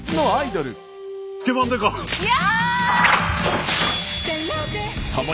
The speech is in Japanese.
いや！